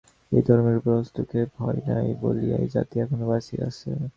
এই ধর্মের উপর হস্তক্ষেপ হয় নাই বলিয়াই জাতি এখনও বাঁচিয়া আছে।